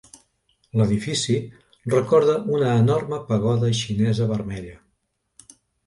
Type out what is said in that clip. L'edifici recorda a una enorme pagoda xinesa vermella.